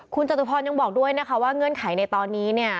คุณจตุพรยังบอกด้วยนะคะว่าเงื่อนไขในตอนนี้เนี่ย